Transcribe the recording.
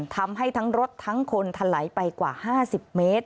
ทำให้ทั้งรถทั้งคนถลายไปกว่า๕๐เมตร